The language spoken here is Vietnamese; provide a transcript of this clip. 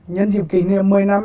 nhân dịp kỷ niệm một mươi năm